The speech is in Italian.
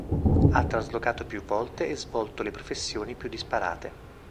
Ha traslocato più volte e svolto le professioni più disparate.